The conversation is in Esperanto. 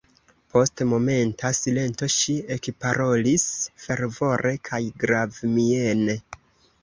Post momenta silento ŝi ekparolis fervore kaj gravmiene: